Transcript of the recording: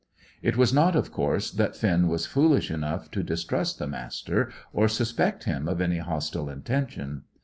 It was not, of course, that Finn was foolish enough to distrust the Master, or suspect him of any hostile intention.